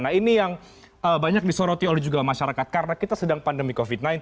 nah ini yang banyak disoroti oleh juga masyarakat karena kita sedang pandemi covid sembilan belas